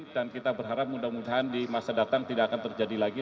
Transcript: dan kita berharap mudah mudahan di masa datang tidak akan terjadi lagi